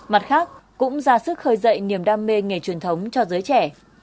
mặt khác cũng ra sức khởi dậy niềm đam mê nghề truyền thống cho giới trẻ